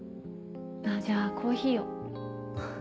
あぁじゃあコーヒーを。